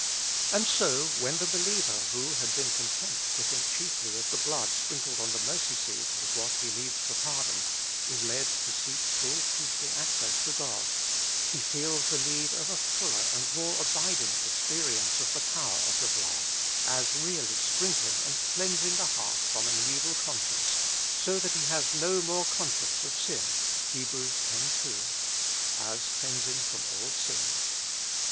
And so, when the believer, who had been content to think chiefly of the blood sprinkled on the mercy seat as what he needs for pardon, is led to seek full priestly access to God, he feels the need of a fuller and more abiding experience of the power of the blood, as really sprinkling and cleansing the heart from an evil conscience, so that he has "no more conscience of sin" (Heb. x. 2), as cleansing from all sin.